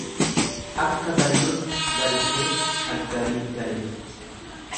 Akka galluti galtee shaggariin gale jetti.